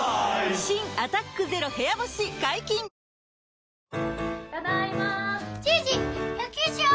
新「アタックＺＥＲＯ部屋干し」解禁‼・ただいまじいじ野球しよ！